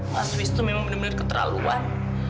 mas wisnu memang benar benar keterlaluan